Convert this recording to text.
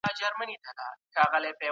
ایا تکړه پلورونکي وچ انار ساتي؟